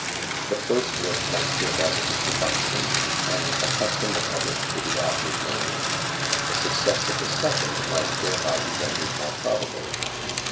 The first work might serve as an introduction, and accustom the public to the author's the success of the second might thereby be rendered more probable.